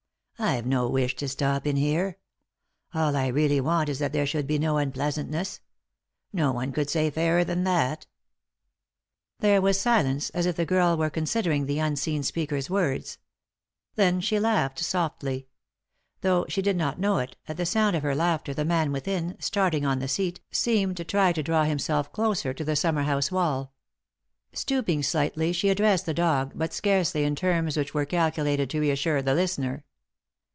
I've no wish to stop in here. All I really want is that there should be no unpleasantness ; no one could say fairer than that." 165 3i 9 iii^d by Google THE INTERRUPTED KISS There was silence, as if the girl were considering the unseen speaker's words. Then she laughed, softly. Though she did not know it, at the sound of her laughter the man within, starting on the seat, seemed to try to draw himself closer to the summer house wall. Stooping slightly she addressed the dog, but scarcely in terms which were calculated to reassure the listener.